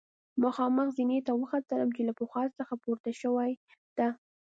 مخامخ زینې ته وختلم چې له پخوا څخه پورته شوې ده.